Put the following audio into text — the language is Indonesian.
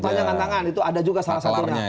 panjangan tangan itu ada juga salah satunya